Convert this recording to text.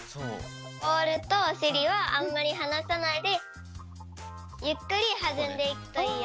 ボールとおしりはあんまりはなさないでゆっくりはずんでいくといいよ。